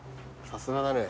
さすがだね。